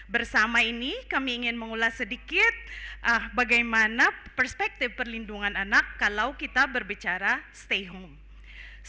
bersama ini kami ingin mengulas sedikit bagaimana perspektif perlindungan anak kalau kita berbicara stay home